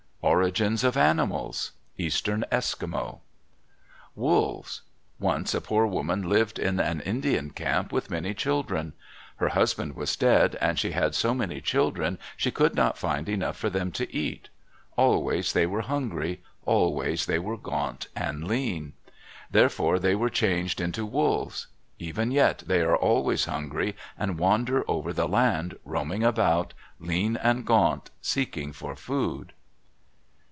ORIGINS OF ANIMALS Eastern Eskimo Wolves.—Once a poor woman lived in an Indian camp with many children. Her husband was dead, and she had so many children she could not find enough for them to eat. Always they were hungry; always they were gaunt and lean. Therefore they were changed into wolves. Even yet they are always hungry and wander over the land, roaming about, lean and gaunt, seeking for food.